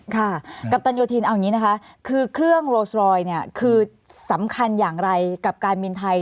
กัปตันโยธินเอาอย่างนี้นะคะคือเครื่องโรสรอยเนี่ยคือสำคัญอย่างไรกับการบินไทย